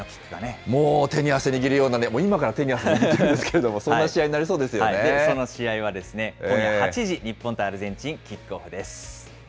もう、手に汗握るようなね、今から手に汗握ってるんですけど、そその試合は今夜８時、日本とアルゼンチン、キックオフです。